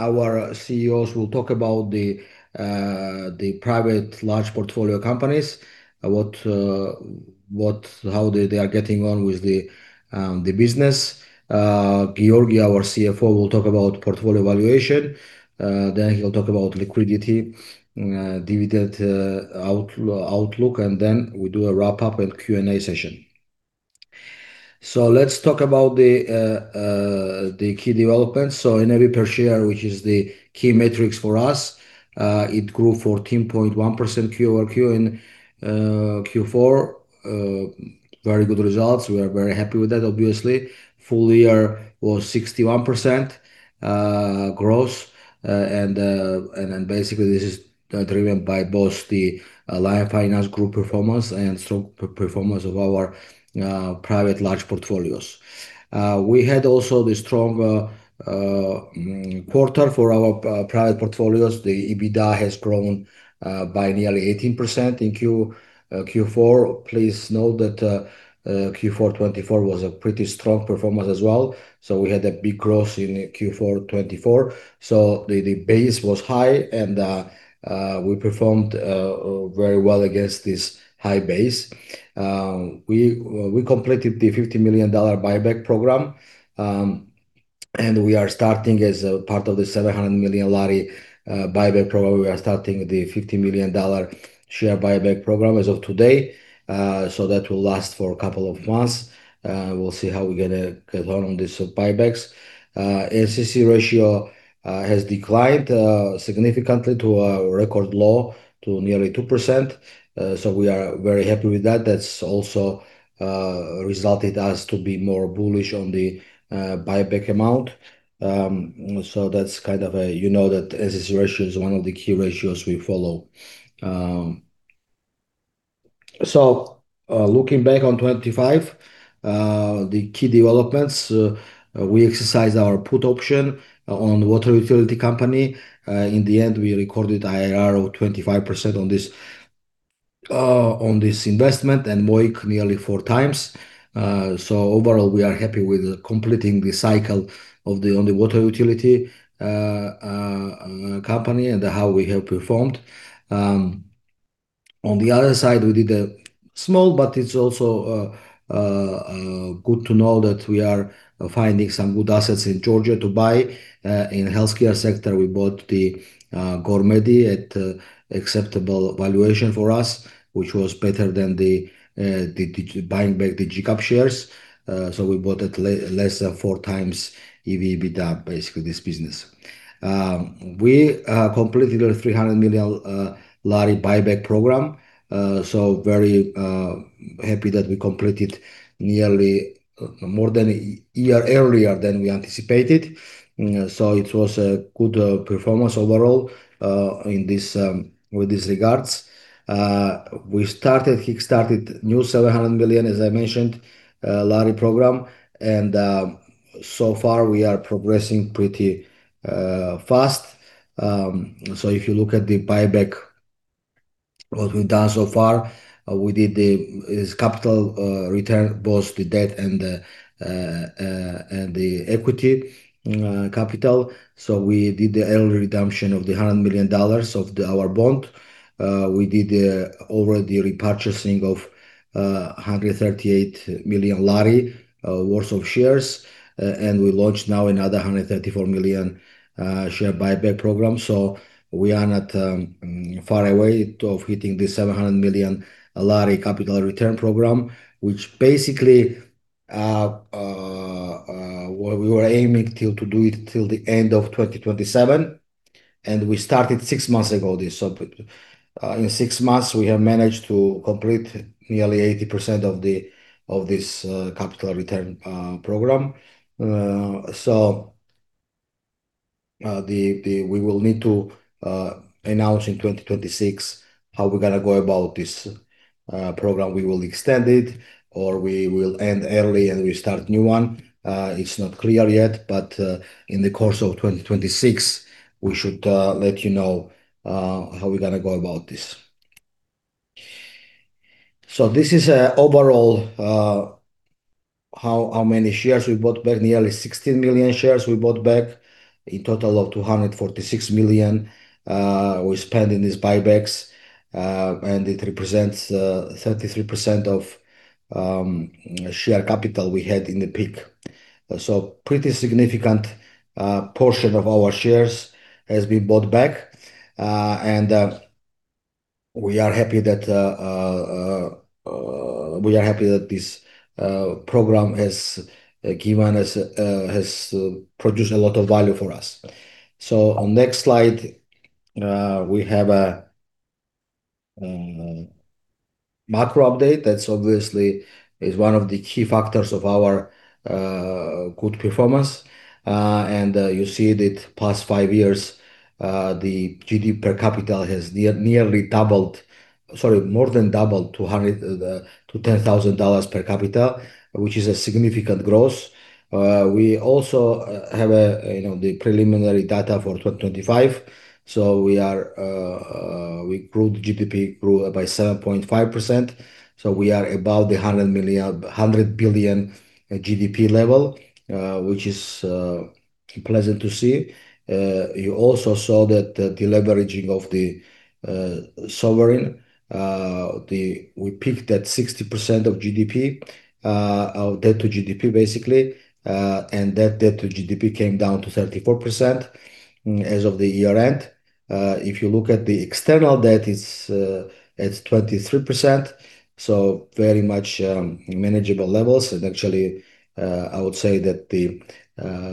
Our CEOs will talk about the private large portfolio companies, about how they are getting on with the business. Giorgi, our CFO, will talk about portfolio valuation, then he'll talk about liquidity, dividend outlook, we do a wrap-up and Q&A session. Let's talk about the key developments. In EV per share, which is the key metrics for us, it grew 14.1% Q over Q in Q4. Very good results. We are very happy with that, obviously. Full year was 61% growth, basically, this is driven by both the Lion Finance Group performance and strong performance of our private large portfolios. We had also the strong quarter for our private portfolios. The EBITDA has grown by nearly 18% in Q4. Please note that Q4 2024 was a pretty strong performance as well. We had a big growth in Q4 2024. The base was high, we performed very well against this high base. We completed the $50 million buyback program. We are starting as a part of the GEL 700 million buyback program. We are starting the $50 million share buyback program as of today. That will last for a couple of months. We'll see how we're gonna get on these buybacks. NCC ratio has declined significantly to a record low, to nearly 2%. We are very happy with that. That's also resulted us to be more bullish on the buyback amount. You know, that NCC ratio is one of the key ratios we follow. Looking back on 25, the key developments, we exercised our put option on water utility company. In the end, we recorded IRR of 25% on this investment, and MOIC nearly four times. Overall, we are happy with completing the cycle of the, on the water utility company and how we have performed. On the other side, we did a small, but it's also good to know that we are finding some good assets in Georgia to buy. In the healthcare sector, we bought the Gormed at an acceptable valuation for us, which was better than the buying back the GCAP shares. We bought it less than four times EV/EBITDA, basically, this business. We completed a 300 million lari buyback program. Very happy that we completed nearly more than a year earlier than we anticipated. It was a good performance overall in this with these regards. We started, kick-started new 700 million, as I mentioned, lari program, and so far, we are progressing pretty fast. If you look at the buyback, what we've done so far, we did the this capital return, both the debt and the and the equity capital. We did the early redemption of $100 million of the our bond. We did already repurchasing of GEL 138 million worth of shares, and we launched now another GEL 134 million share buyback program. We are not far away of hitting the GEL 700 million capital return program, which basically we were aiming to do it till the end of 2027, and we started six months ago this. In six months, we have managed to complete nearly 80% of this capital return program. We will need to announce in 2026 how we're gonna go about this program. We will extend it, or we will end early, and we start a new one. It's not clear yet, but in the course of 2026, we should let you know how we're gonna go about this. This is a overall, how many shares we bought back. Nearly 16 million shares we bought back, a total of $246 million we spent in these buybacks, and it represents 33% of share capital we had in the peak. Pretty significant portion of our shares has been bought back, and we are happy that this program has given us, has produced a lot of value for us. On next slide, we have a macro update. That's obviously, is one of the key factors of our good performance. You see that past five years, the GDP per capita has nearly doubled, sorry, more than doubled to $10,000 per capita, which is a significant growth. We also have, you know, the preliminary data for 2025. We grew the GDP, grew by 7.5%. We are about the 100 billion GDP level, which is pleasant to see. You also saw that the deleveraging of the sovereign. We peaked at 60% of GDP of debt to GDP. That debt to GDP came down to 34% as of the year-end. If you look at the external debt, it's 23%, very much manageable levels, and actually, I would say that the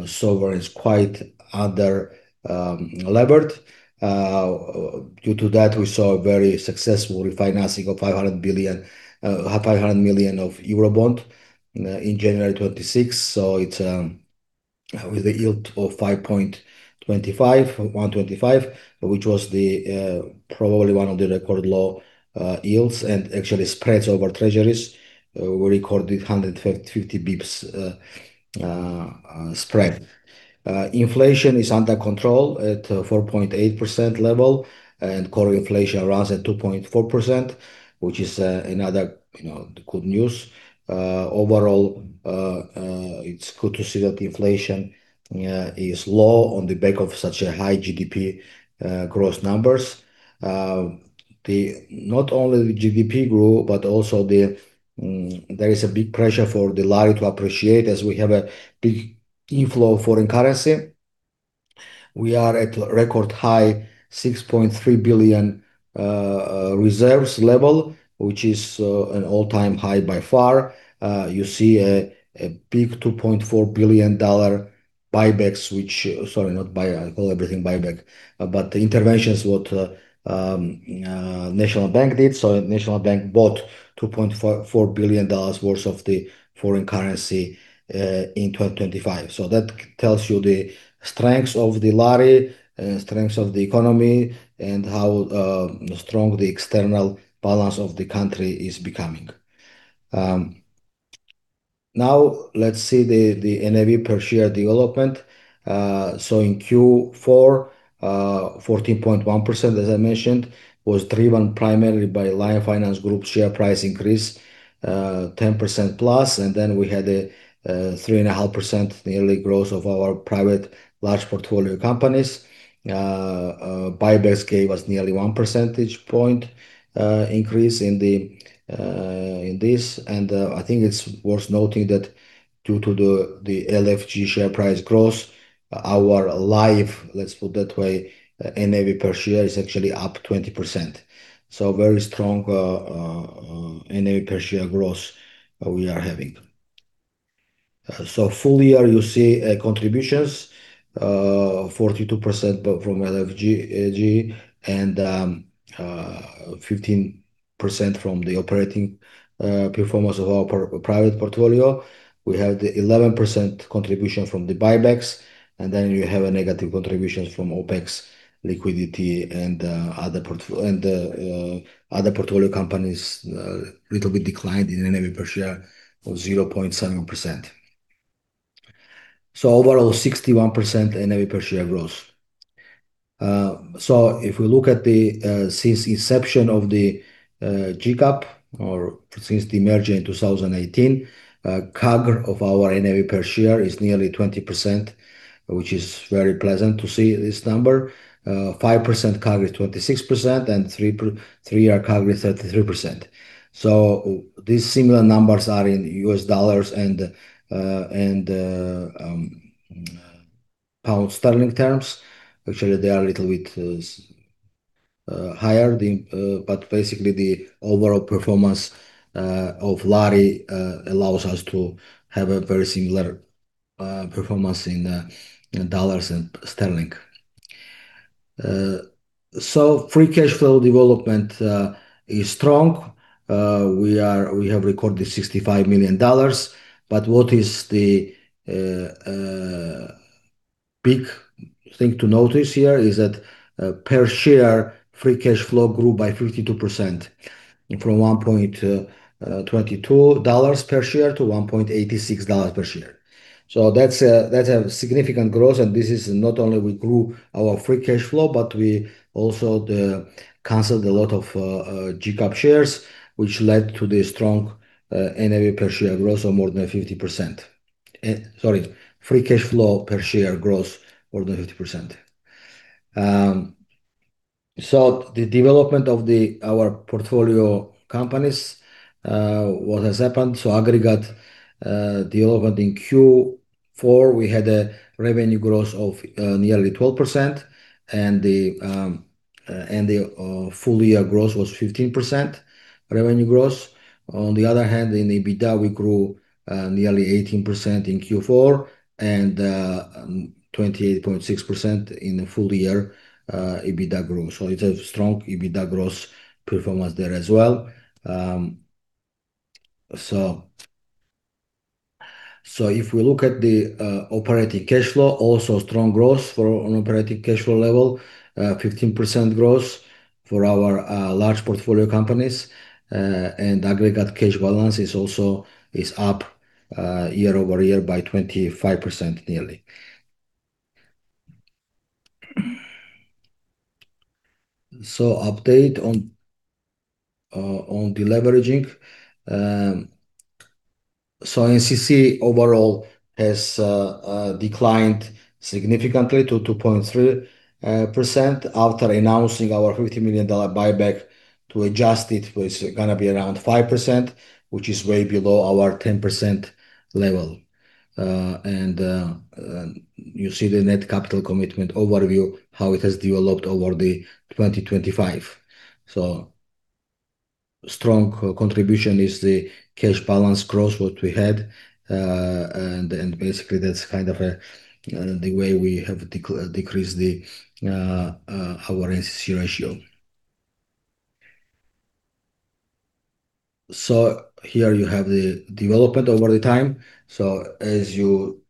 sovereign is quite under levered. Due to that, we saw a very successful refinancing of $500 million of Eurobond in January 26. It's with a yield of 1.25%, which was probably one of the record low yields, and actually spreads over treasuries. We recorded 150 bps spread. Inflation is under control at 4.8% level, core inflation runs at 2.4%, which is another, you know, the good news. Overall, it's good to see that the inflation is low on the back of such a high GDP growth numbers. Not only the GDP grew, but also there is a big pressure for the lari to appreciate, as we have a big inflow of foreign currency. We are at a record high 6.3 billion reserves level, which is an all-time high by far. You see a big $2.4 billion buybacks. Sorry, not buy, I call everything buyback. The interventions what National Bank did, so National Bank bought $2.44 billion worth of the foreign currency in 2025. That tells you the strengths of the lari, strengths of the economy, and how strong the external balance of the country is becoming. Now let's see the NAV per share development. In Q4, 14.1%, as I mentioned, was driven primarily by Lion Finance Group share price increase, 10%+, and then we had a 3.5% yearly growth of our private large portfolio companies. Buybacks gave us nearly 1 percentage point increase in this, and I think it's worth noting that due to the LFG share price growth, our live, let's put that way, NAV per share is actually up 20%. Very strong NAV per share growth we are having. Full year, you see contributions, 42% from LFG, G, and 15% from the operating performance of our private portfolio. We have the 11% contribution from the buybacks, and then you have a negative contributions from OpEx, liquidity, and other portfolio companies, little bit declined in NAV per share of 0.7%. Overall, 61% NAV per share growth. If we look at the since inception of the GCAP or since the merger in 2018, CAGR of our NAV per share is nearly 20%, which is very pleasant to see this number. 5% CAGR, 26%, and 3-year CAGR, 33%. These similar numbers are in US dollars and pound sterling terms. Actually, they are a little bit higher. Basically, the overall performance of lari allows us to have a very similar performance in dollars and sterling. Free cash flow development is strong. We have recorded $65 million, but what is the big thing to notice here is that per share, free cash flow grew by 52%, from $1.22 per share to $1.86 per share. That's a significant growth, and this is not only we grew our free cash flow, but we also cancelled a lot of GCAP shares, which led to the strong NAV per share growth of more than 50%. Sorry, free cash flow per share growth, more than 50%. The development of our portfolio companies, what has happened? Aggregate development in Q4, we had a revenue growth of nearly 12%, and the full year growth was 15% revenue growth. On the other hand, in EBITDA, we grew nearly 18% in Q4 and 28.6% in the full year EBITDA growth. It's a strong EBITDA growth performance there as well. If we look at the operating cash flow, also strong growth for an operating cash flow level, 15% growth for our large portfolio companies, and aggregate cash balance is up YoY by 25%, nearly. Update on deleveraging. NCC overall has declined significantly to 2.3% after announcing our $50 million buyback to adjust it's gonna be around 5%, which is way below our 10% level. You see the net capital commitment overview, how it has developed over the 2025. Strong contribution is the cash balance gross what we had, and basically, that's kind of the way we have decreased our NCC ratio. Here you have the development over the time. As you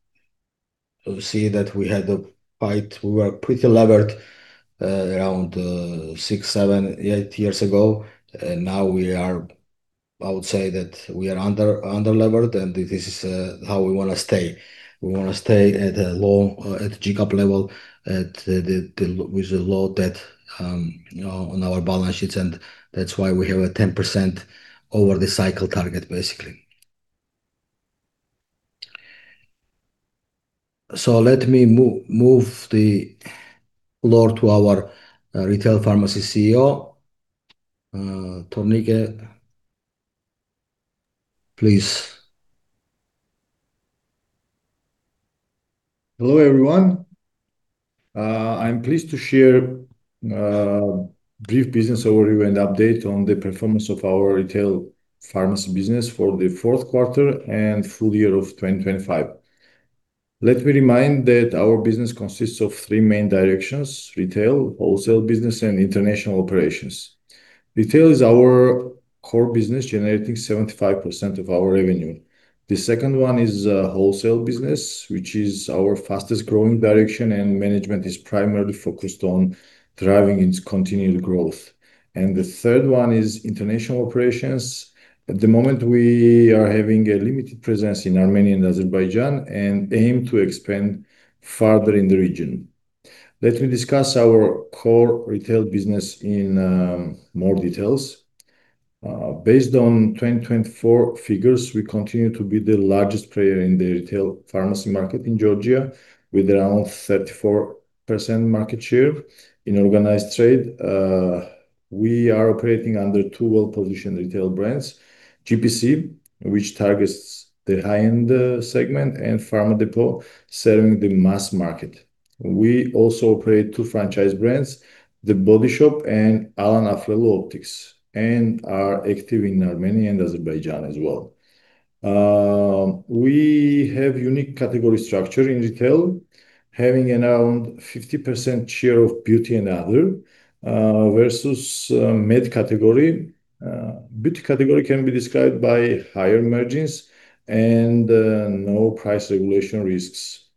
see that we were pretty levered around six, seven, eight years ago, and now I would say that we are under-levered, and this is how we wanna stay. We wanna stay at a low, at GCAP level, with a low debt, you know, on our balance sheets, and that's why we have a 10% over the cycle target, basically. Let me move the floor to our retail pharmacy CEO, Tornike, please. Hello, everyone. I'm pleased to share a brief business overview and update on the performance of our retail pharmacy business for the fourth quarter and full year of 2025. Let me remind that our business consists of three main directions: retail, wholesale business, and international operations. Retail is our core business, generating 75% of our revenue. The second one is wholesale business, which is our fastest-growing direction, and management is primarily focused on driving its continued growth. The third one is international operations. At the moment, we are having a limited presence in Armenia and Azerbaijan and aim to expand further in the region. Let me discuss our core retail business in more details. Based on 2024 figures, we continue to be the largest player in the retail pharmacy market in Georgia, with around 34% market share in organized trade. We are operating under two well-positioned retail brands, GPC, which targets the high-end segment, and Pharmadepot, serving the mass market. We also operate two franchise brands, The Body Shop and Alain Afflelou Optics, and are active in Armenia and Azerbaijan as well. We have unique category structure in retail, having around 50% share of beauty and other versus med category. Beauty category can be described by higher margins and no price regulation risks.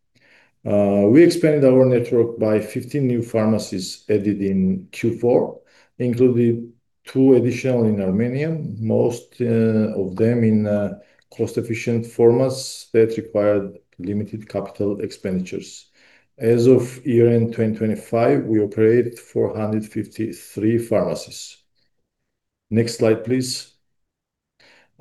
We expanded our network by 50 new pharmacies added in Q4, including 2 additional in Armenia, most of them in cost-efficient formats that required limited capital expenditures. As of year-end 2025, we operate 453 pharmacies. Next slide, please.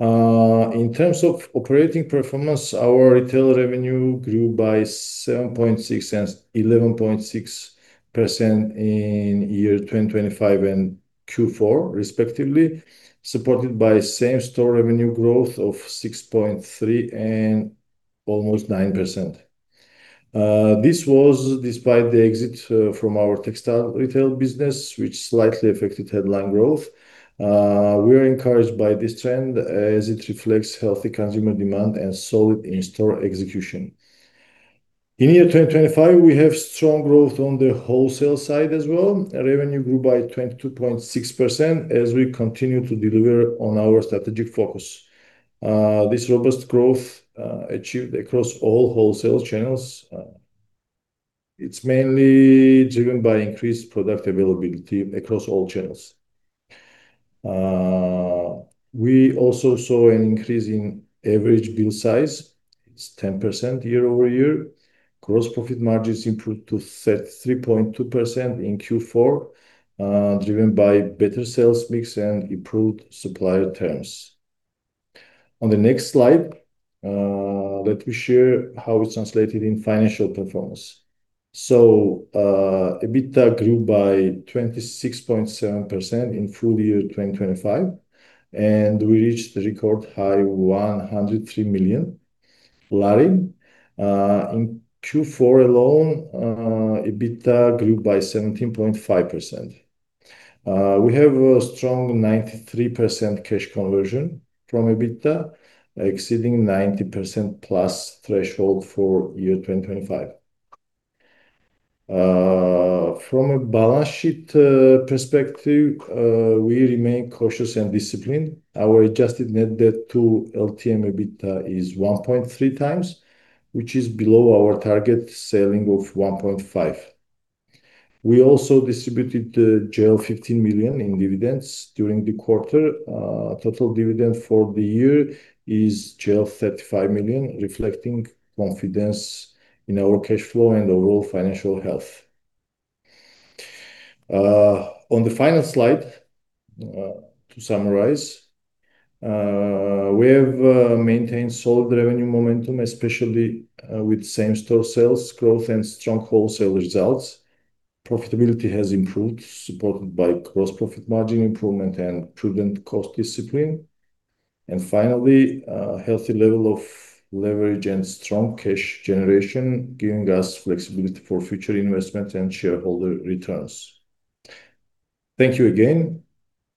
In terms of operating performance, our retail revenue grew by 7.6% and 11.6% in 2025 and Q4, respectively, supported by same-store revenue growth of 6.3% and almost 9%. This was despite the exit from our textile retail business, which slightly affected headline growth. We are encouraged by this trend, as it reflects healthy consumer demand and solid in-store execution. In 2025, we have strong growth on the wholesale side as well. Revenue grew by 22.6% as we continue to deliver on our strategic focus. This robust growth achieved across all wholesale channels, it's mainly driven by increased product availability across all channels. We also saw an increase in average bill size. It's 10% YoY. Gross profit margins improved to 33.2% in Q4, driven by better sales mix and improved supplier terms. On the next slide, let me share how it's translated in financial performance. EBITDA grew by 26.7% in full year 2025, and we reached the record high GEL 103 million. In Q4 alone, EBITDA grew by 17.5%. We have a strong 93% cash conversion from EBITDA, exceeding 90%+ threshold for year 2025. From a balance sheet perspective, we remain cautious and disciplined. Our adjusted net debt to LTM EBITDA is 1.3 times, which is below our target ceiling of 1.5. We also distributed GEL 15 million in dividends during the quarter. Total dividend for the year is GEL 35 million, reflecting confidence in our cash flow and overall financial health. On the final slide, to summarize, we have maintained solid revenue momentum, especially with same-store sales growth and strong wholesale results. Profitability has improved, supported by gross profit margin improvement and prudent cost discipline. Finally, a healthy level of leverage and strong cash generation, giving us flexibility for future investment and shareholder returns. Thank you again,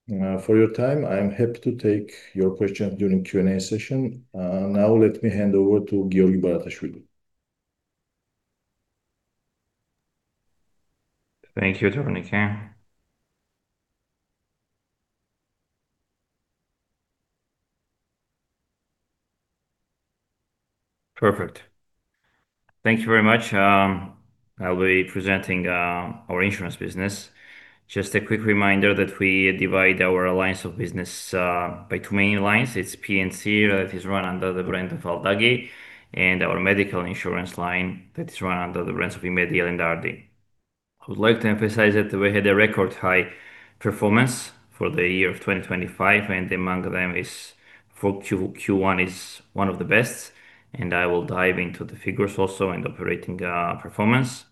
for your time. I'm happy to take your questions during the Q&A session. Now let me hand over to Giorgi Baratashvili. Thank you, Tornike. Perfect. Thank you very much. I'll be presenting our insurance business. Just a quick reminder that we divide our lines of business by two main lines. It's P&C, that is run under the brand of Aldagi, and our medical insurance line that is run under the brands of Imedi and Ardi. I would like to emphasize that we had a record high performance for the year of 2025, and among them is for Q1 is one of the best, and I will dive into the figures also and operating performance.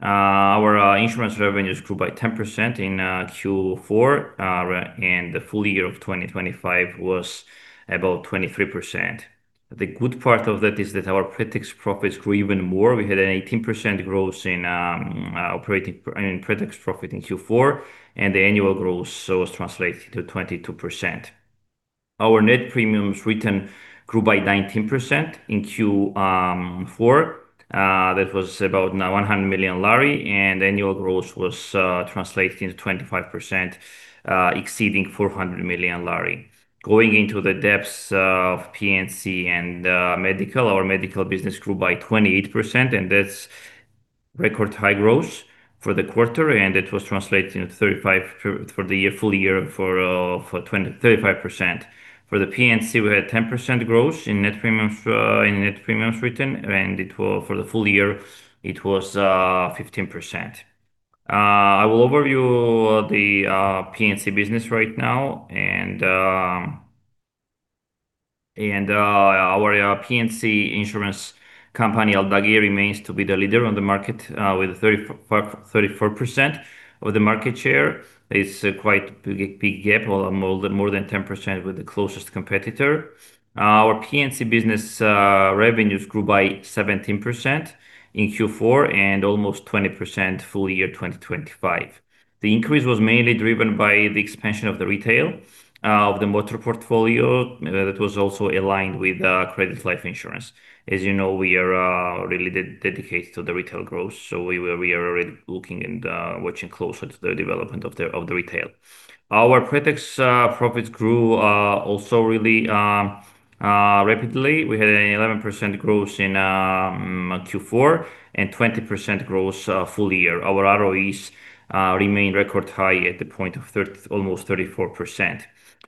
Our insurance revenues grew by 10% in Q4, and the full year of 2025 was about 23%. The good part of that is that our pretax profits grew even more. We had an 18% growth in pretax profit in Q4, and the annual growth was translated to 22%. Our net premiums written grew by 19% in Q4. That was about GEL 100 million, and annual growth was translating to 25%, exceeding GEL 400 million. Going into the depths of P&C and medical, our medical business grew by 28%, and that's record high growth for the quarter, and it was translating to 35% for the year, full year for 35%. For the P&C, we had 10% growth in net premiums written, and for the full year, it was 15%. I will overview the P&C business right now, our P&C insurance company, Aldagi, remains to be the leader on the market with 35%-34% of the market share. It's a quite big gap, more than 10% with the closest competitor. Our P&C business revenues grew by 17% in Q4, and almost 20% full year 2025. The increase was mainly driven by the expansion of the retail of the motor portfolio. That was also aligned with credit life insurance. As you know, we are really de-dedicated to the retail growth, we are already looking and watching closer to the development of the retail. Our pretax profits grew also really rapidly. We had an 11% growth in Q4 and 20% growth full year. Our ROEs remain record high at the point of almost 34%.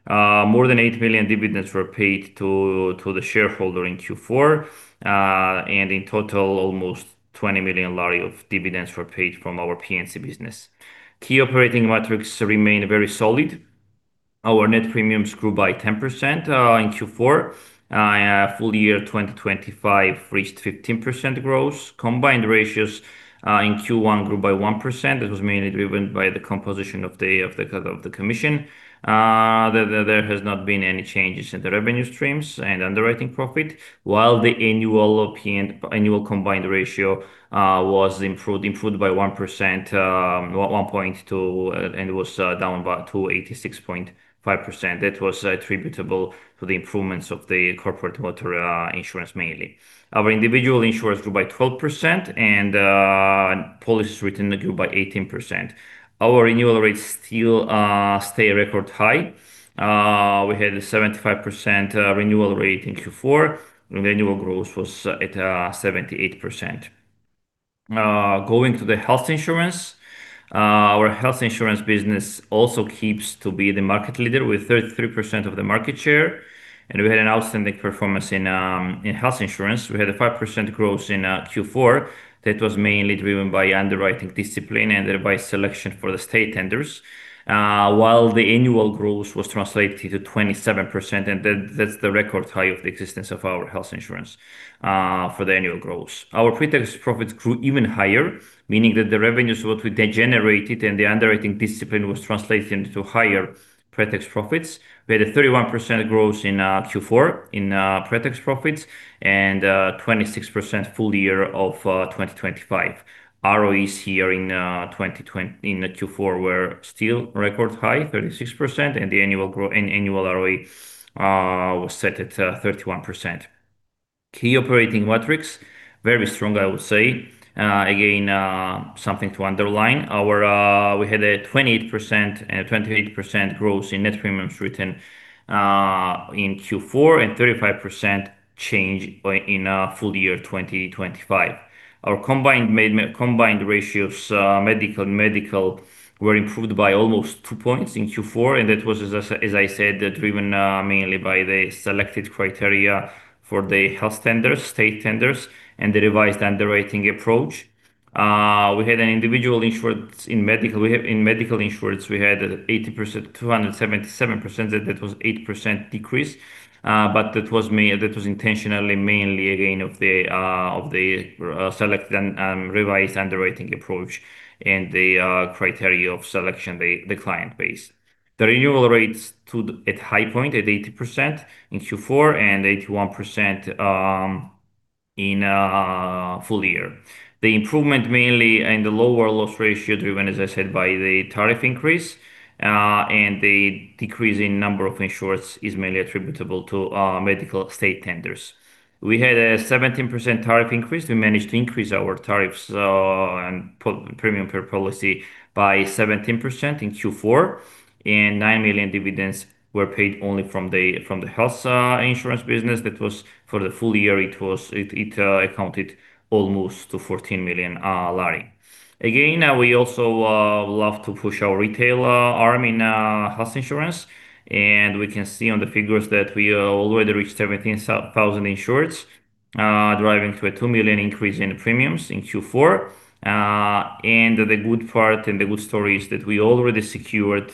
More than GEL 8 million dividends were paid to the shareholder in Q4, and in total, almost GEL 20 million of dividends were paid from our P&C business. Key operating metrics remain very solid. Our net premiums grew by 10% in Q4. Full year 2025 reached 15% growth. Combined ratios in Q1 grew by 1%. It was mainly driven by the composition of the commission. There has not been any changes in the revenue streams and underwriting profit, while the annual P&C and annual combined ratio was improved by 1%, 1.2, and it was down by 286.5%. That was attributable to the improvements of the corporate motor insurance, mainly. Our individual insurance grew by 12%, and policies written grew by 18%. Our renewal rates still stay record high. We had a 75% renewal rate in Q4, and annual growth was at 78%. Going to the health insurance, our health insurance business also keeps to be the market leader with 33% of the market share, and we had an outstanding performance in health insurance. We had a 5% growth in Q4. That was mainly driven by underwriting discipline and by selection for the state tenders. While the annual growth was translated to 27%, and that's the record high of the existence of our health insurance, for the annual growth. Our pretax profits grew even higher, meaning that the revenues, what we then generated and the underwriting discipline was translated into higher pretax profits. We had a 31% growth in Q4 in pretax profits and 26% full year of 2025. ROEs here in Q4 were still record high, 36%, and the annual ROE was set at 31%. Key operating metrics, very strong, I would say. Again, something to underline. Our, we had a 28% growth in net premiums written, in Q4 and 35% change by, in, full year 2025. Our combined ratios, medical were improved by almost 2 points in Q4, and that was as I said, driven, mainly by the selected criteria for the health tenders, state tenders, and the revised underwriting approach. We had an individual insured in medical. We have, in medical insurance, we had 80%, 277%, that it was 8% decrease, but that was intentionally mainly again of the, select and, revised underwriting approach and the, criteria of selection the client base. The renewal rates stood at high point at 80% in Q4 and 81%, in, full year. The improvement mainly in the lower loss ratio, driven, as I said, by the tariff increase, and the decrease in number of insureds is mainly attributable to medical state tenders. We had a 17% tariff increase. We managed to increase our tariffs and put premium per policy by 17% in Q4, and GEL 9 million dividends were paid only from the health insurance business. That was for the full year, it accounted almost to GEL 14 million lari. Again, we also love to push our retail arm in health insurance, and we can see on the figures that we already reached 17,000 insureds, driving to a GEL 2 million increase in the premiums in Q4. The good part and the good story is that we already secured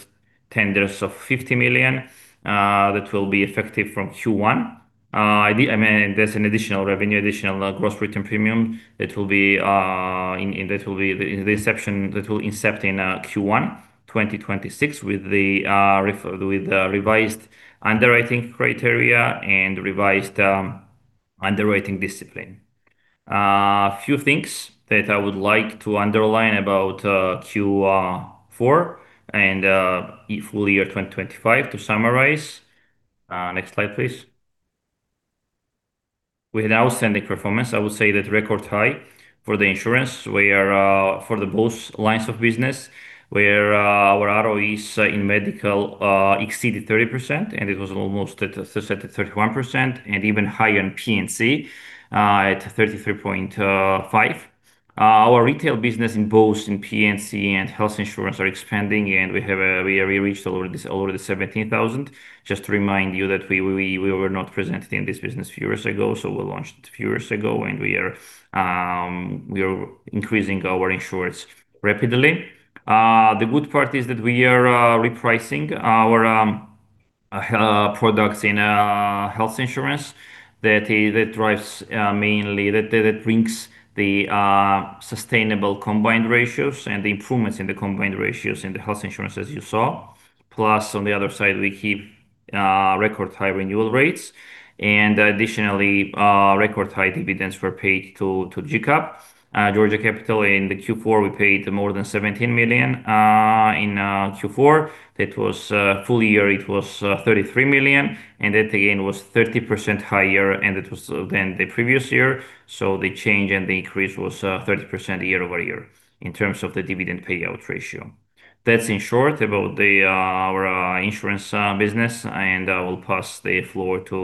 tenders of $50 million that will be effective from Q1. I mean, there's an additional revenue, additional gross written premium that will be and that will be the inception, that will incept in Q1 2026, with the revised underwriting criteria and revised underwriting discipline. A few things that I would like to underline about Q4 and full year 2025 to summarize. Next slide, please. We had outstanding performance. I would say that record high for the insurance, where for the both lines of business, where our ROEs in medical exceeded 30%, and it was almost at 31%, and even higher in P&C at 33.5%. Uh, our retail business in both in P&C and health insurance are expanding, and we have, uh, we, we reached already, already seventeen thousand. Just to remind you that we, we, we were not presented in this business few years ago, so we launched few years ago, and we are, um, we are increasing our insureds rapidly. Uh, the good part is that we are, uh, repricing our, um, uh, products in, uh, health insurance. That i- that drives, uh, mainly that, that brings the, uh, sustainable combined ratios and the improvements in the combined ratios in the health insurance, as you saw. Plus, on the other side, we keep, uh, record high renewal rates, and additionally, uh, record high dividends were paid to, to GCap. Uh, Georgia Capital in the Q4, we paid more than seventeen million, uh, in, uh, Q4. That was full year, it was GEL 33 million, and that again, was 30% higher, and it was than the previous year. The change and the increase was 30% YoY in terms of the dividend payout ratio. That's in short about the our insurance business, and I will pass the floor to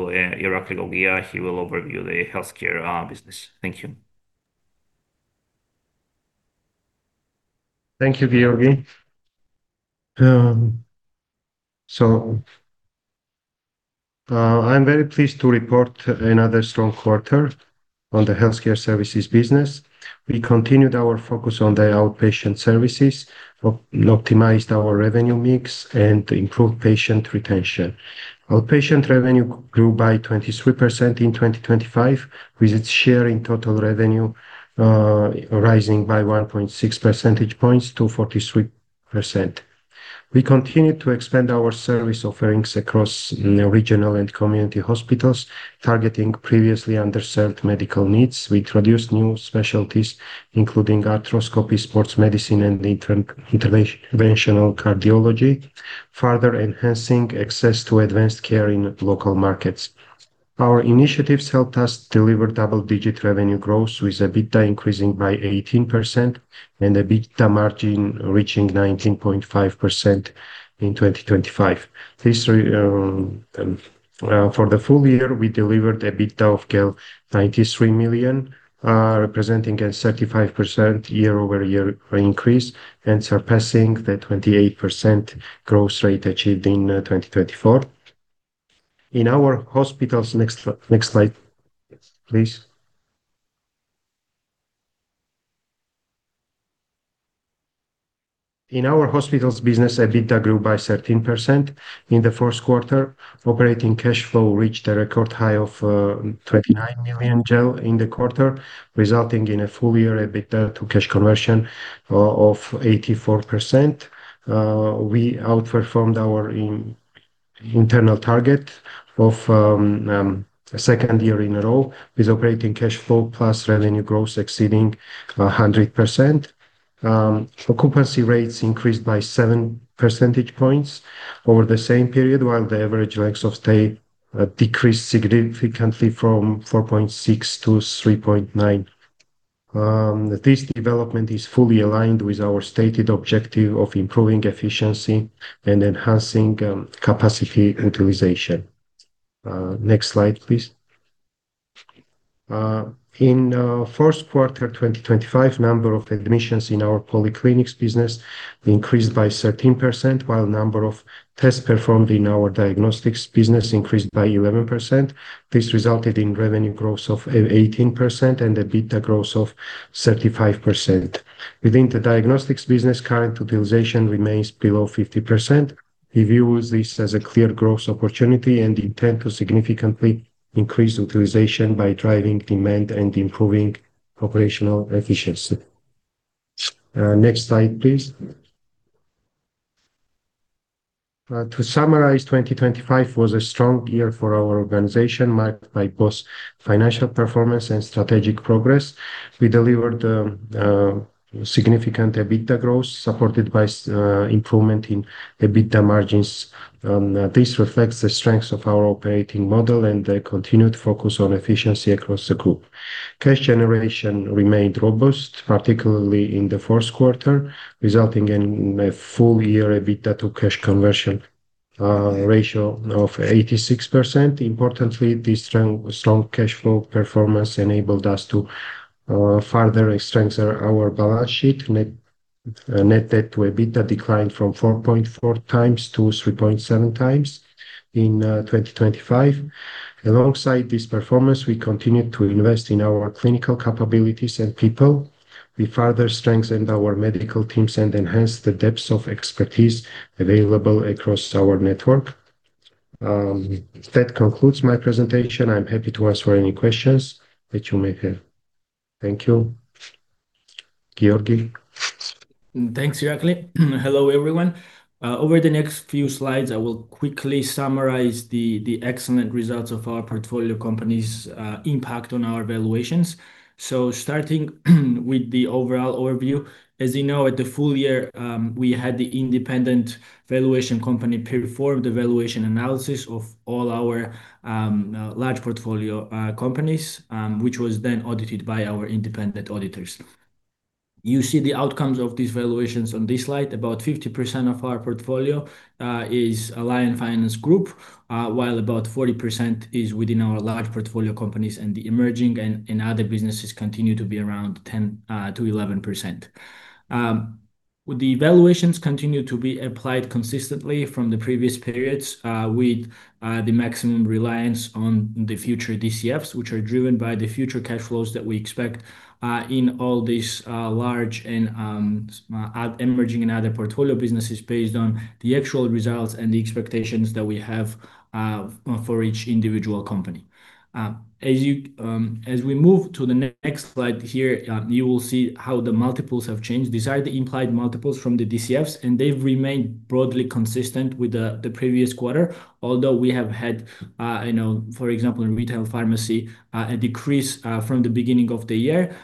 Irakli Gogia. He will overview the healthcare business. Thank you. Thank you, Giorgi. I'm very pleased to report another strong quarter on the healthcare services business. We continued our focus on the outpatient services, optimized our revenue mix, and improved patient retention. Outpatient revenue grew by 23% in 2025, with its share in total revenue, rising by 1.6 percentage points to 43%. We continued to expand our service offerings across regional and community hospitals, targeting previously underserved medical needs. We introduced new specialties, including arthroscopy, sports medicine, and interventional cardiology, further enhancing access to advanced care in local markets. Our initiatives helped us deliver double-digit revenue growth, with EBITDA increasing by 18% and the EBITDA margin reaching 19.5% in 2025. This, for the full year, we delivered EBITDA of GEL 93 million, representing a 35% YoY increase and surpassing the 28% growth rate achieved in 2024. In our hospitals. Next slide, please. In our hospitals business, EBITDA grew by 13% in the first quarter. Operating cash flow reached a record high of GEL 29 million in the quarter, resulting in a full year EBITDA to cash conversion of 84%. We outperformed our internal target of a second year in a row, with operating cash flow plus revenue growth exceeding 100%. Occupancy rates increased by 7 percentage points over the same period, while the average length of stay decreased significantly from 4.6 to 3.9. This development is fully aligned with our stated objective of improving efficiency and enhancing capacity utilization. Next slide, please. In first quarter 2025, number of admissions in our polyclinics business increased by 13%, while number of tests performed in our diagnostics business increased by 11%. This resulted in revenue growth of 18% and EBITDA growth of 35%. Within the diagnostics business, current utilization remains below 50%. We view this as a clear growth opportunity and intend to significantly increase utilization by driving demand and improving operational efficiency. Next slide, please. To summarize, 2025 was a strong year for our organization, marked by both financial performance and strategic progress. We delivered significant EBITDA growth, supported by improvement in EBITDA margins. This reflects the strengths of our operating model and the continued focus on efficiency across the group. Cash generation remained robust, particularly in the first quarter, resulting in a full year EBITDA to cash conversion ratio of 86%. Importantly, this strong cash flow performance enabled us to further strengthen our balance sheet. Net debt to EBITDA declined from 4.4 times to 3.7 times in 2025. Alongside this performance, we continued to invest in our clinical capabilities and people. We further strengthened our medical teams and enhanced the depth of expertise available across our network. That concludes my presentation. I'm happy to answer any questions that you may have. Thank you. Giorgi? Thanks, Irakli. Hello, everyone. Over the next few slides, I will quickly summarize the excellent results of our portfolio company's impact on our valuations. Starting with the overall overview, as you know, at the full year, we had the independent valuation company perform the valuation analysis of all our large portfolio companies, which was then audited by our independent auditors. You see the outcomes of these valuations on this slide. About 50% of our portfolio is Lion Finance Group, while about 40% is within our large portfolio companies, and the emerging and other businesses continue to be around 10%-11%. The valuations continue to be applied consistently from the previous periods, with the maximum reliance on the future DCFs, which are driven by the future cash flows that we expect in all these large and emerging and other portfolio businesses, based on the actual results and the expectations that we have for each individual company. As we move to the next slide here, you will see how the multiples have changed. These are the implied multiples from the DCFs, and they've remained broadly consistent with the previous quarter. Although we have had, you know, for example, in retail pharmacy, a decrease from the beginning of the year,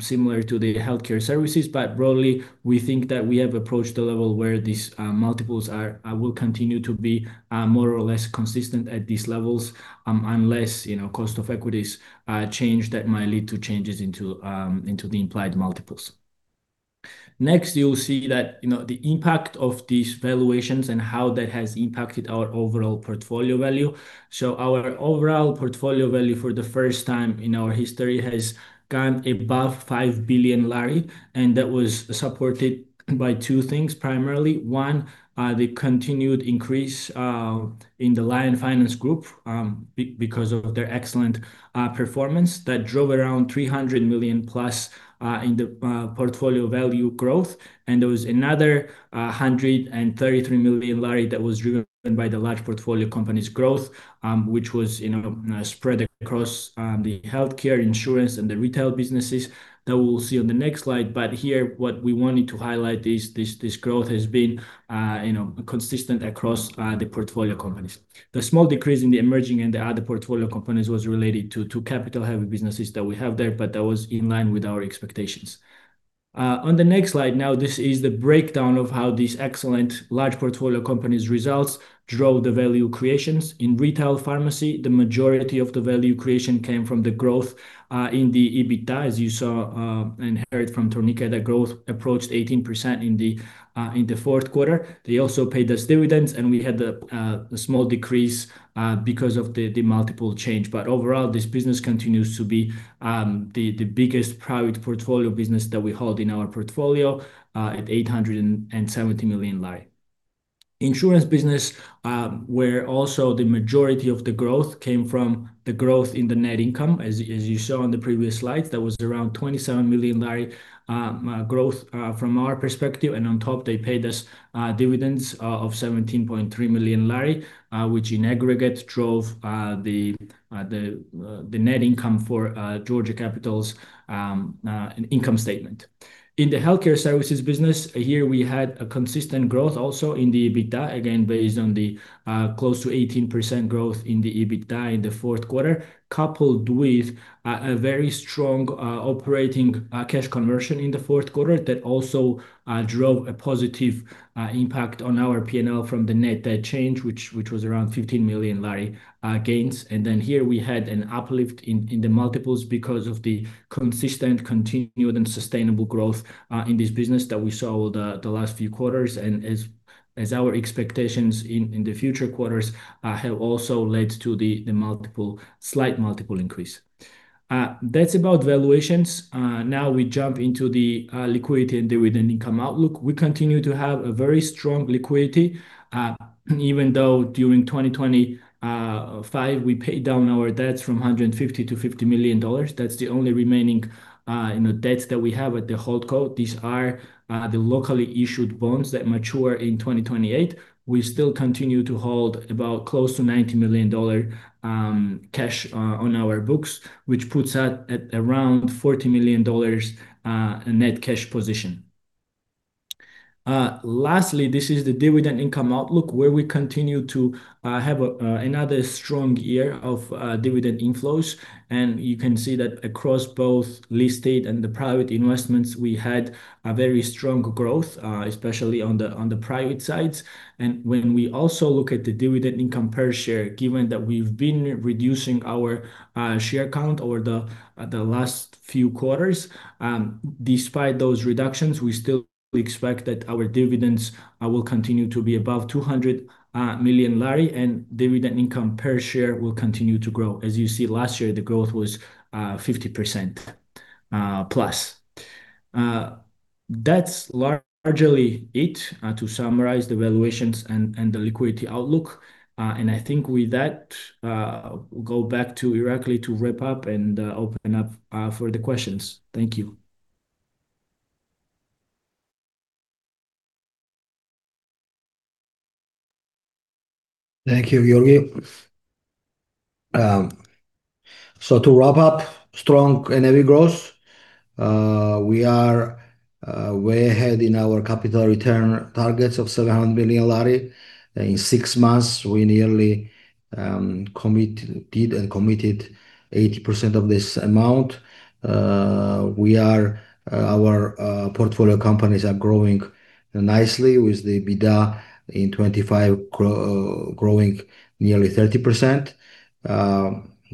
similar to the healthcare services. Broadly, we think that we have approached the level where these multiples are, will continue to be, more or less consistent at these levels, unless, you know, cost of equity, change that might lead to changes into the implied multiples. Next, you will see that, you know, the impact of these valuations and how that has impacted our overall portfolio value. Our overall portfolio value, for the first time in our history, has gone above GEL 5 billion, and that was supported by two things, primarily. One, the continued increase in the Lion Finance Group, because of their excellent performance, that drove around GEL 300 million plus in the portfolio value growth. There was another 133 million lari that was driven by the large portfolio company's growth, which was, you know, spread across the healthcare, insurance, and the retail businesses that we will see on the next slide. Here, what we wanted to highlight is this growth has been, you know, consistent across the portfolio companies. The small decrease in the emerging and the other portfolio companies was related to capital-heavy businesses that we have there, but that was in line with our expectations. On the next slide, now, this is the breakdown of how these excellent large portfolio companies' results drove the value creations. In retail pharmacy, the majority of the value creation came from the growth in the EBITDA, as you saw and heard from Tornike. That growth approached 18% in the fourth quarter. They also paid us dividends, and we had a small decrease because of the multiple change. Overall, this business continues to be the biggest private portfolio business that we hold in our portfolio, at GEL 870 million. Insurance business, where also the majority of the growth came from the growth in the net income. As you saw on the previous slide, that was around GEL 27 million growth from our perspective, and on top, they paid us dividends of GEL 17.3 million, which in aggregate, drove the net income for Georgia Capital's income statement. In the healthcare services business, here we had a consistent growth also in the EBITDA, again, based on the close to 18% growth in the EBITDA in the fourth quarter, coupled with a very strong operating cash conversion in the fourth quarter that also drove a positive impact on our PNL from the net debt change, which was around 15 million lari gains. Here we had an uplift in the multiples because of the consistent, continued, and sustainable growth in this business that we saw over the last few quarters. As our expectations in the future quarters have also led to the slight multiple increase. That's about valuations. Now we jump into the liquidity and dividend income outlook. We continue to have a very strong liquidity, even though during 2025, we paid down our debts from $150 million-$50 million. That's the only remaining, you know, debts that we have with the Holdco. These are the locally issued bonds that mature in 2028. We still continue to hold about close to $90 million cash on our books, which puts us at around $40 million net cash position. Lastly, this is the dividend income outlook, where we continue to have another strong year of dividend inflows. You can see that across both listed and the private investments, we had a very strong growth, especially on the private sides. When we also look at the dividend income per share, given that we've been reducing our share count over the last few quarters, despite those reductions, we still expect that our dividends will continue to be above 200 million lari, and dividend income per share will continue to grow. As you see, last year, the growth was 50% plus. That's largely it to summarize the valuations and the liquidity outlook. I think with that, we'll go back to Irakli to wrap up and open up for the questions. Thank you. Thank you, Giorgi. To wrap up, strong and heavy growth, we are way ahead in our capital return targets of 700 million lari. In six months, we nearly did and committed 80% of this amount. Our portfolio companies are growing nicely with the EBITDA in 25 growing nearly 30%.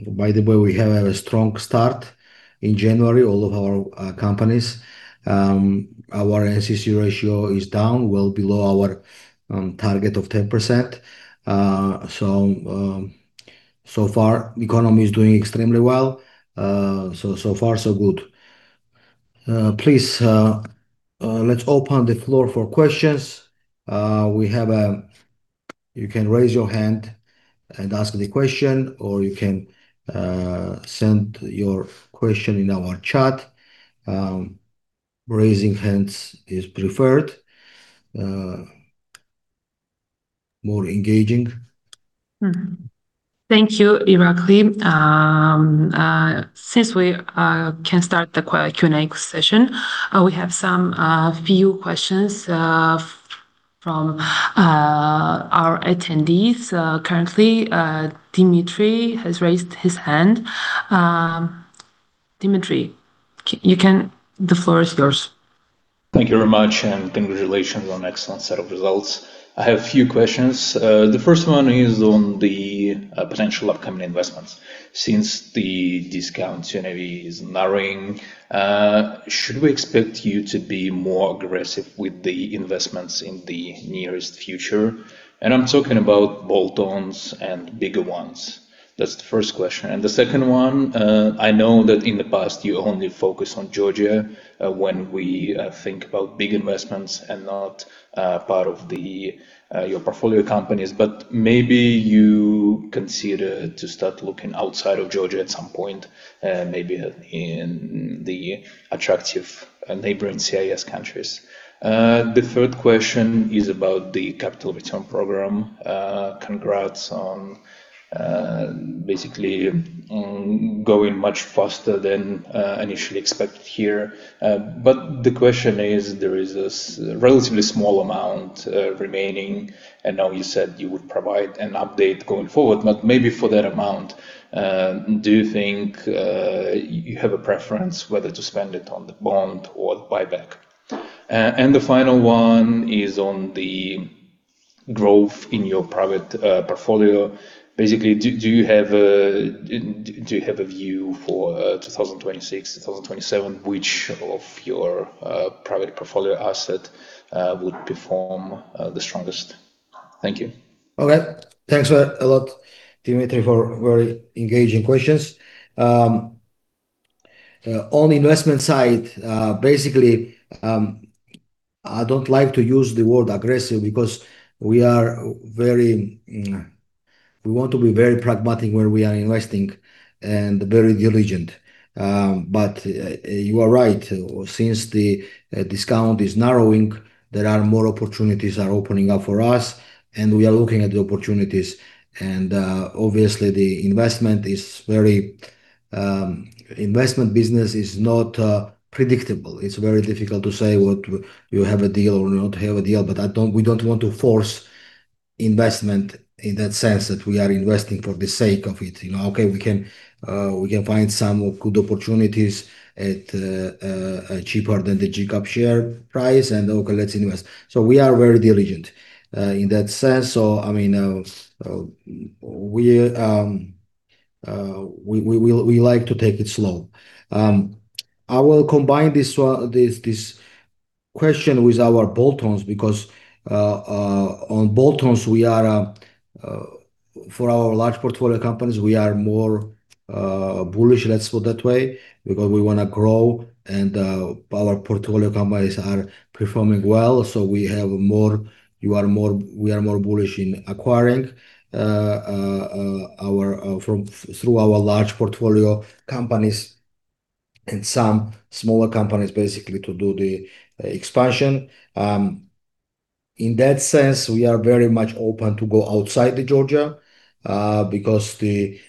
By the way, we have a strong start in January, all of our companies. Our NCC ratio is down, well below our target of 10%. So far, economy is doing extremely well. So far, so good. Please, let's open the floor for questions. You can raise your hand and ask the question, or you can send your question in our chat. Raising hands is preferred, more engaging. Thank you, Irakli. Since we can start the Q&A session, we have some few questions from our attendees. Currently, Dmitry has raised his hand. Dmitry, the floor is yours. Thank you very much, and congratulations on excellent set of results. I have a few questions. The first one is on the potential upcoming investments. Since the discount to NAV is narrowing, should we expect you to be more aggressive with the investments in the nearest future? I'm talking about bolt-ons and bigger ones. That's the first question. The second one, I know that in the past, you only focus on Georgia when we think about big investments and not part of your portfolio companies, but maybe you consider to start looking outside of Georgia at some point, maybe in the attractive neighboring CIS countries? The third question is about the capital return program. Congrats on basically going much faster than initially expected here. The question is, there is this relatively small amount remaining, and now you said you would provide an update going forward, but maybe for that amount, do you think you have a preference whether to spend it on the bond or buyback? The final one is on the growth in your private portfolio. Basically, do you have a view for 2026, 2027, which of your private portfolio asset would perform the strongest? Thank you. Okay. Thanks a lot, Dmitry, for very engaging questions. On investment side, basically, I don't like to use the word aggressive because we are very, we want to be very pragmatic where we are investing and very diligent. You are right. Since the discount is narrowing, there are more opportunities are opening up for us, and we are looking at the opportunities. Obviously, the investment is very investment business is not predictable. It's very difficult to say what you have a deal or not have a deal, but we don't want to force investment in that sense, that we are investing for the sake of it. You know, okay, we can find some good opportunities at cheaper than the GCAP share price, and okay, let's invest. We are very diligent in that sense. I mean, we like to take it slow. I will combine this one, this question with our bolt-ons, because on bolt-ons, we are for our large portfolio companies, we are more bullish, let's put it that way, because we wanna grow, and our portfolio companies are performing well. We have more, we are more bullish in acquiring our through our large portfolio companies and some smaller companies, basically, to do the expansion. in that sense, we are very much open to go outside Georgia, because we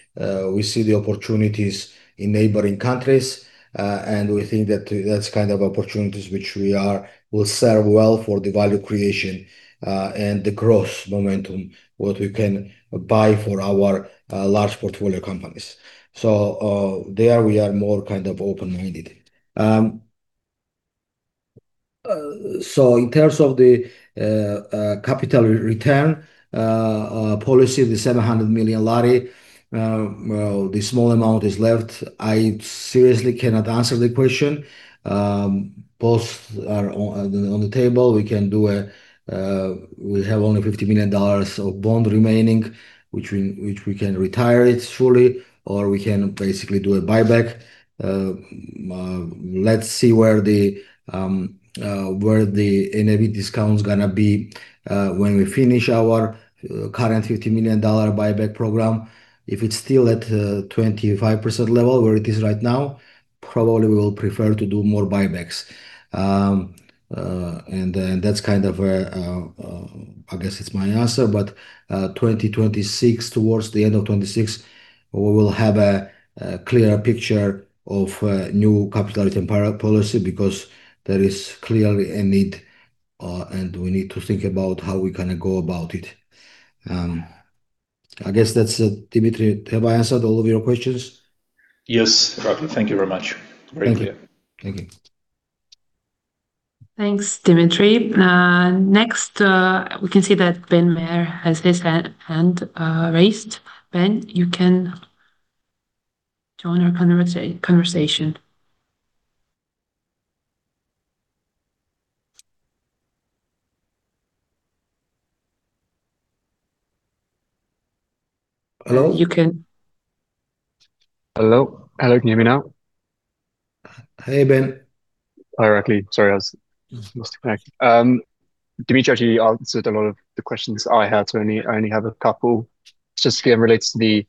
see the opportunities in neighboring countries, and we think that that's kind of opportunities which will serve well for the value creation, and the growth momentum, what we can buy for our large portfolio companies. There we are more kind of open-minded. In terms of the capital return policy, the GEL 700 million, well, the small amount is left. I seriously cannot answer the question. Both are on the table. We have only $50 million of bond remaining, which we can retire it fully, or we can basically do a buyback. Let's see where the NAV discount is gonna be when we finish our current $50 million buyback program. If it's still at 25% level, where it is right now, probably we will prefer to do more buybacks. That's kind of where I guess it's my answer, but 2026, towards the end of 2026, we will have a clear picture of new capital return policy, because there is clearly a need, and we need to think about how we're gonna go about it. I guess that's it. Dmitry, have I answered all of your questions? Yes, Irakli, thank you very much. Thank you. Very clear. Thank you. Thanks, Dmitry. Next, we can see that Ben Maher has his hand raised. Ben, you can join our conversation. Hello? You can- Hello? Hello, can you hear me now? Hi, Ben. Hi, Irakli. Sorry, I was lost the connection. Dmitry actually answered a lot of the questions I had, so I only have a couple. Just again, relates to the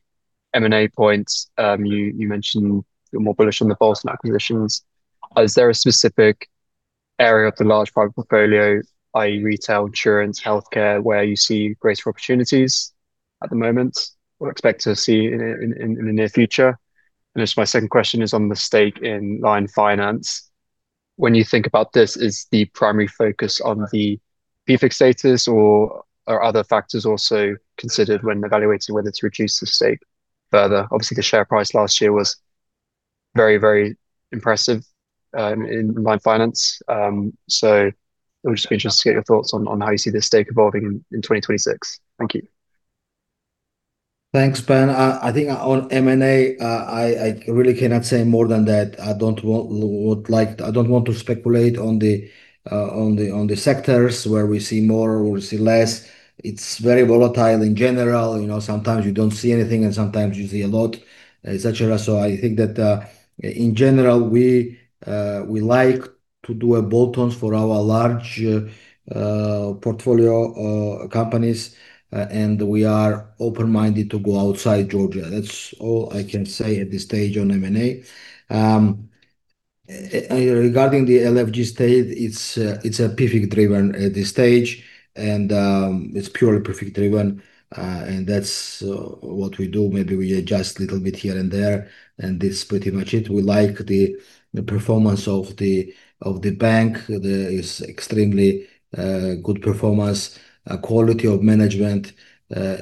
M&A points. you mentioned you're more bullish on the Boston acquisitions. Is there a specific area of the large product portfolio, i.e., retail, insurance, healthcare, where you see greater opportunities at the moment or expect to see in the near future? I guess my second question is on the stake in Lion Finance. When you think about this, is the primary focus on the PFIC status or are other factors also considered when evaluating whether to reduce the stake further? Obviously, the share price last year was very, very impressive, in Lion Finance. I would just be interested to get your thoughts on how you see this stake evolving in 2026. Thank you. Thanks, Ben. I think on M&A, I really cannot say more than that. I don't want to speculate on the sectors where we see more or we see less. It's very volatile in general, you know, sometimes you don't see anything, and sometimes you see a lot, et cetera. I think that, in general, we like to do a bolt-ons for our large portfolio companies, and we are open-minded to go outside Georgia. That's all I can say at this stage on M&A. Regarding the LFG state, it's a PFIC driven at this stage, and it's purely PFIC driven, and that's what we do. Maybe we adjust a little bit here and there, and this is pretty much it. We like the performance of the bank. It's extremely good performance. Quality of management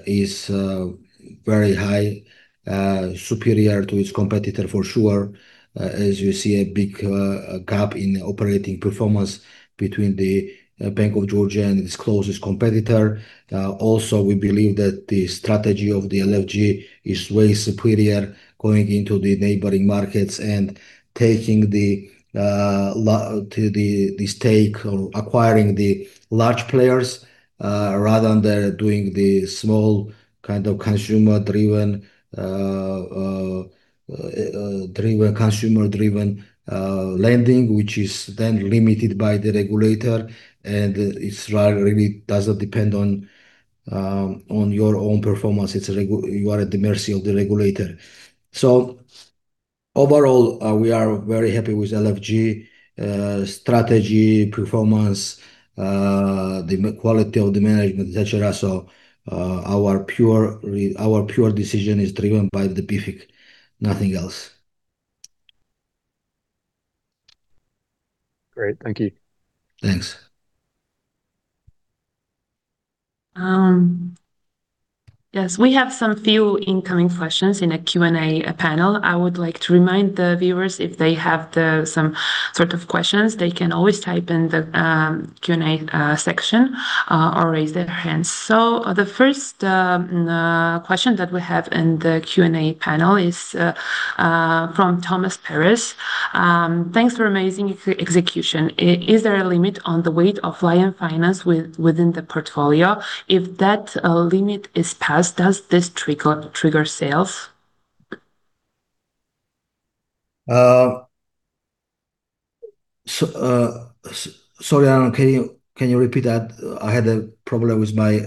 is very high, superior to its competitor, for sure. As you see, a big gap in operating performance between the Bank of Georgia and its closest competitor. Also, we believe that the strategy of the LFG is way superior, going into the neighboring markets and taking the stake or acquiring the large players, rather than doing the small kind of consumer-driven lending, which is then limited by the regulator, and it's really doesn't depend on your own performance. You are at the mercy of the regulator. Overall, we are very happy with LFG strategy, performance, the quality of the management, et cetera. Our pure decision is driven by the PFIC, nothing else. Great. Thank you. Thanks. Yes, we have some few incoming questions in the Q&A panel. I would like to remind the viewers, if they have some sort of questions, they can always type in the Q&A section or raise their hands. The first question that we have in the Q&A panel is from Thomas Paris: "Thanks for amazing execution. Is there a limit on the weight of Lion Finance within the portfolio? If that limit is passed, does this trigger sales? sorry, I don't... Can you repeat that? I had a problem with my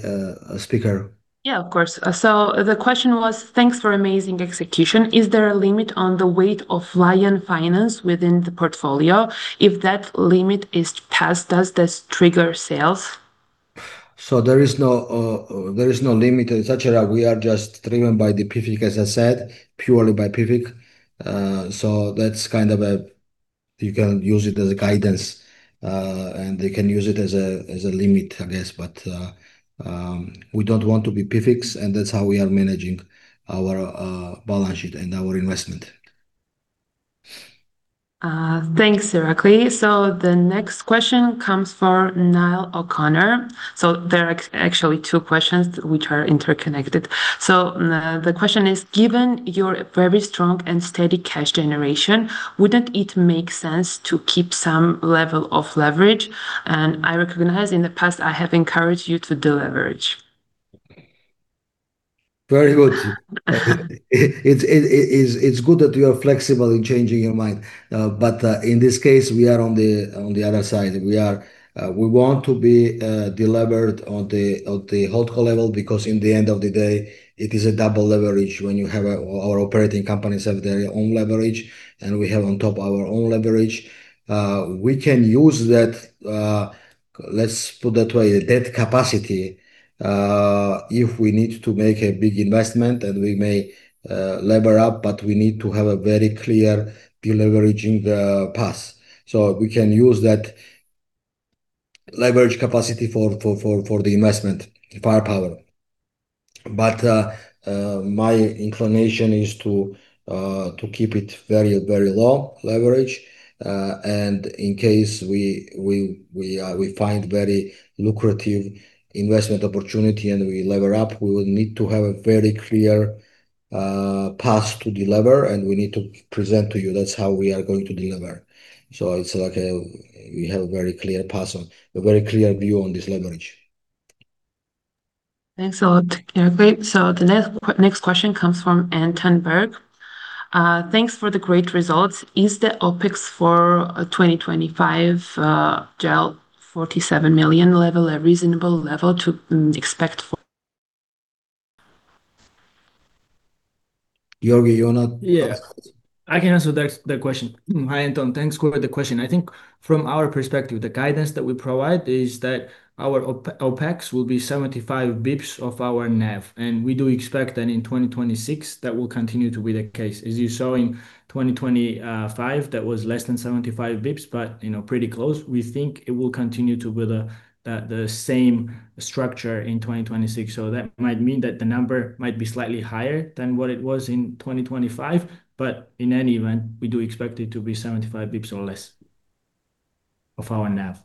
speaker. Yeah, of course. The question was: Thanks for amazing execution. Is there a limit on the weight of Lion Finance within the portfolio? If that limit is passed, does this trigger sales? There is no, there is no limit as such. We are just driven by the PFIC, as I said, purely by PFIC. That's kind of you can use it as a guidance, and they can use it as a, as a limit, I guess. We don't want to be PFICs, and that's how we are managing our balance sheet and our investment. Thanks, Irakli. The next question comes from Niall O'Connor. There are actually two questions which are interconnected. The question is: Given your very strong and steady cash generation, wouldn't it make sense to keep some level of leverage? I recognize in the past I have encouraged you to deleverage. Very good. It's good that you are flexible in changing your mind. In this case, we are on the other side. We want to be delevered on the Holdco-level, because in the end of the day, it is a double leverage when you have. Our operating companies have their own leverage, and we have on top our own leverage. We can use that, let's put that way, that capacity, if we need to make a big investment, and we may lever up, but we need to have a very clear deleveraging path. We can use that leverage capacity for the investment, the firepower. My inclination is to keep it very, very low leverage. In case we find very lucrative investment opportunity and we lever up, we will need to have a very clear path to delever, and we need to present to you that's how we are going to delever. It's like we have a very clear view on this leverage. Thanks a lot, Irakli. The next question comes from Anton Berg. Thanks for the great results. Is the OpEx for 2025, GEL 47 million level a reasonable level to expect for? Giorgi, you wanna- Yes. I can answer that question. Hi, Anton. Thanks for the question. I think from our perspective, the guidance that we provide is that our OpEx will be 75 bps of our NAV, and we do expect that in 2026, that will continue to be the case. As you saw in 2025, that was less than 75 bps, but, you know, pretty close. We think it will continue to be the same structure in 2026. That might mean that the number might be slightly higher than what it was in 2025, but in any event, we do expect it to be 75 bps or less of our NAV.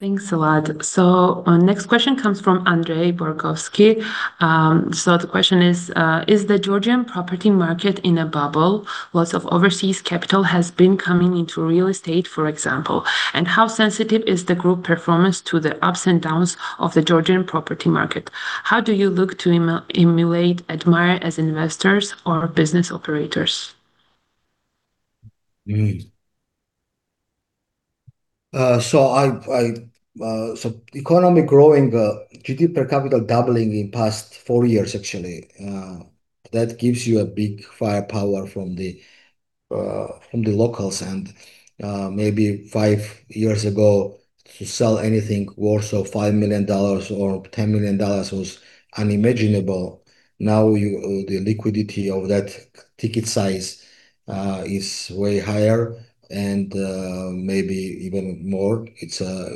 Thanks a lot. Our next question comes from Andrei Borkowski. The question is: Is the Georgian property market in a bubble? Lots of overseas capital has been coming into real estate, for example. How sensitive is the group performance to the ups and downs of the Georgian property market? How do you look to emulate, admire as investors or business operators? So I've so economy growing, GDP per capita doubling in past four years, actually, that gives you a big firepower from the locals. Maybe five years ago, to sell anything worth, so $5 million or $10 million was unimaginable. Now, you the liquidity of that ticket size is way higher and maybe even more. It's a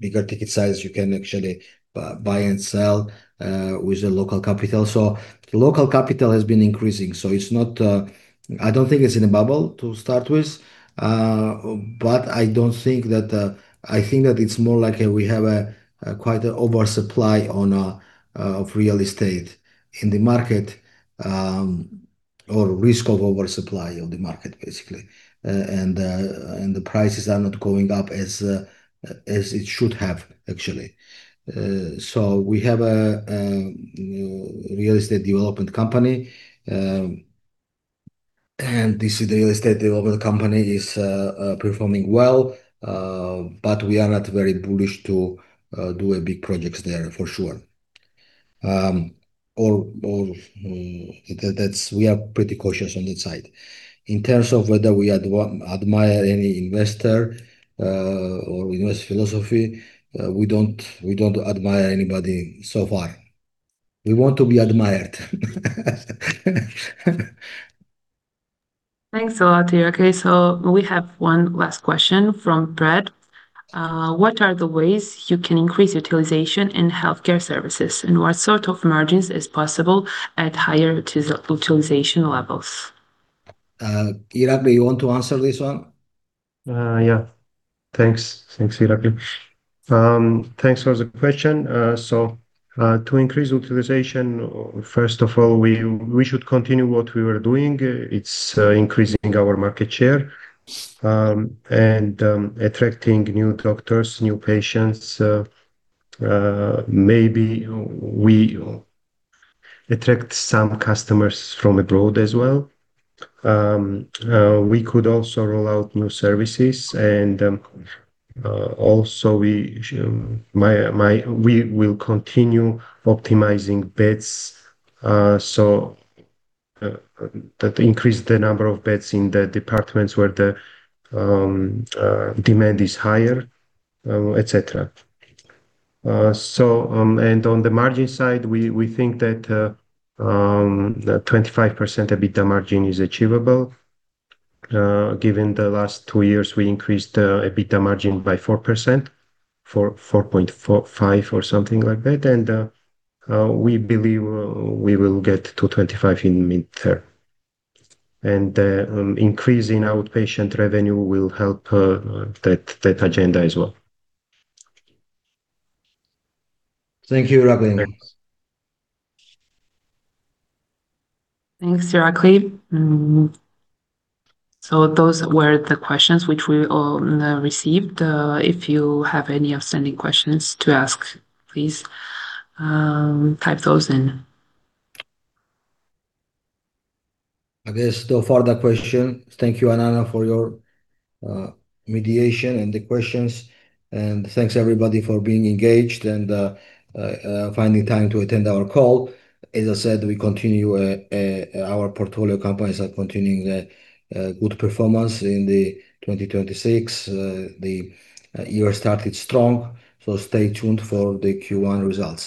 bigger ticket size you can actually buy and sell with the local capital. The local capital has been increasing, so it's not, I don't think it's in a bubble, to start with, but I don't think that, I think that it's more like a we have a quite an oversupply on of real estate in the market, or risk of oversupply on the market, basically. The prices are not going up as it should have, actually. We have a real estate development company, and this real estate development company is performing well, but we are not very bullish to do a big projects there, for sure. We are pretty cautious on that side. In terms of whether we admire any investor or invest philosophy, we don't admire anybody so far. We want to be admired. Thanks a lot, Irakli. We have one last question from Brad. What are the ways you can increase utilization in healthcare services, and what sort of margins is possible at higher utilization levels? Irakli, you want to answer this one? Yeah. Thanks, thanks, Irakli. Thanks for the question. To increase utilization, first of all, we should continue what we were doing. It's increasing our market share, and attracting new doctors, new patients. Maybe we attract some customers from abroad as well. We could also roll out new services, and also we will continue optimizing beds, so, that increase the number of beds in the departments where the demand is higher, et cetera. On the margin side, we think that 25% EBITDA margin is achievable. Given the last 2 years, we increased the EBITDA margin by 4%, for 4.45, or something like that, we believe we will get to 25 in mid-term. Increase in outpatient revenue will help that agenda as well. Thank you, Irakli. Thanks, Irakli. Those were the questions which we all received. If you have any outstanding questions to ask, please type those in. There's no further question. Thank you, Anana, for your mediation and the questions, and thanks everybody for being engaged and finding time to attend our call. As I said, we continue, our portfolio companies are continuing the good performance in 2026. The year started strong, so stay tuned for the Q1 results.